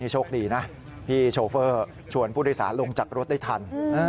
โชคดีนะพี่โชเฟอร์ชวนผู้โดยสารลงจากรถได้ทัน